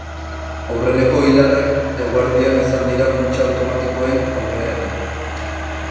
Aurreneko ilarak eguerdian izan dira kutxa automatikoen aurrean.